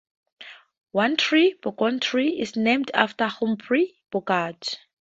One tree, Bogey's Tree, is named after Humphrey Bogart.